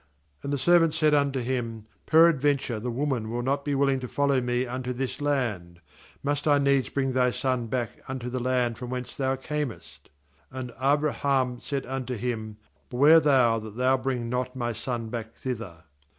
6And the servant said unto hi™ :' Peradven ture the woman will not be willing to follow me unto this larid; must I needs bring thy son back unto the land from whence thou earnest?' 6And Abraham said unto him :* Beware thou that thou bring not my son back thither.